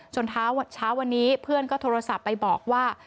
เช้าวันนี้เพื่อนก็โทรศัพท์ไปบอกว่า